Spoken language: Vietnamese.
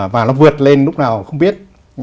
và nó vượt lên lúc nào không biết